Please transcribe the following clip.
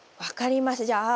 分かりました。